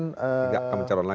tidak akan mencalon lagi